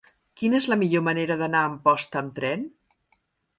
Quina és la millor manera d'anar a Amposta amb tren?